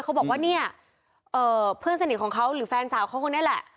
เขาบอกว่าเนี่ยเพื่อนสนิทของเขาหรือแฟนสาวเขาคนนี้แหละ